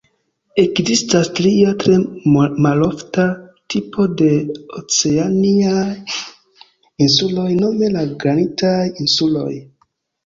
Ekzistas tria, tre malofta, tipo de oceanaj insuloj, nome la granitaj insuloj.